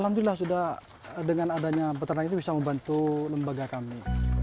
alhamdulillah sudah dengan adanya peternak itu bisa membantu lembaga kami